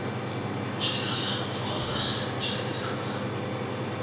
Ostiralean foi-gras-aren txanda izango da.